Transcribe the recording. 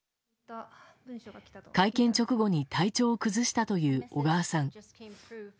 会見直後に体調を崩したという小川さん。